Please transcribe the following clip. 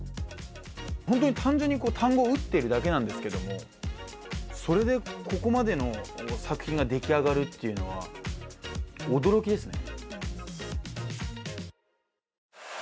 本当に単純に単語を打っているだけなんですけどもそれでここまでの作品ができあがるっていうのは驚きですね。